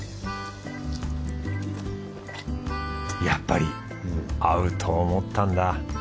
やっぱり合うと思ったんだ。